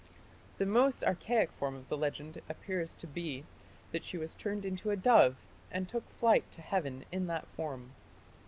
The most archaic form of the legend appears to be that she was turned into a dove and took flight to heaven in that form.